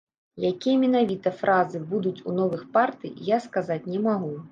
Якія менавіта фразы будуць у новых партый, я сказаць не магу.